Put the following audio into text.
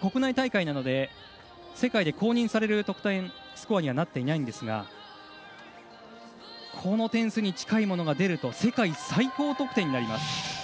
国内大会なので世界で公認される得点スコアにはなっていないんですがこの点数に近いものが出ると世界最高得点になります。